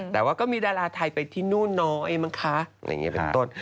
แต่ว่าก็มีดาราไทยไปที่นู่นน๊อยมั้งค่ะเป็นต้น